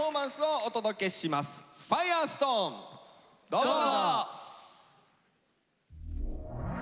どうぞ！